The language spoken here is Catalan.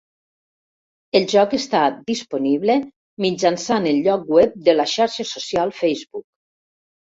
El joc està disponible mitjançant el lloc web de la xarxa social Facebook.